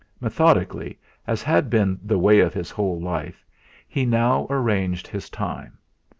Methodically, as had been the way of his whole life, he now arranged his time.